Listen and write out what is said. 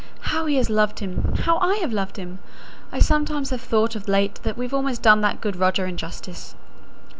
How he has loved him! How I have loved him! I sometimes have thought of late that we've almost done that good Roger injustice."